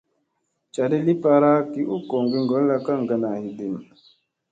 Caɗi li paara gi u goŋgi ŋgolla kaŋga naa hidiim.